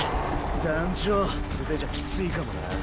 団ちょ素手じゃきついかもな。